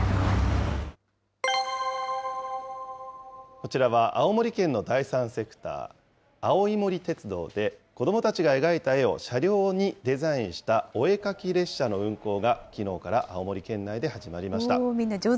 こちらは青森県の第三セクター、青い森鉄道で、子どもたちが描いた絵を車両にデザインしたおえかき列車の運行がきのうから青森県内で始まりました。ね。